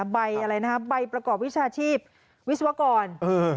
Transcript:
ใบอะไรนะฮะใบประกอบวิชาชีพวิศวกรเออ